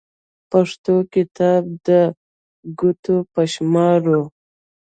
پښتو کتابونه د ګوتو په شمار وو.